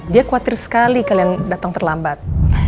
dia khawatir sekali kalian datang terlambat